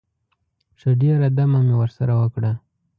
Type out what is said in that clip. ښه ډېره دمه مې ورسره وکړه.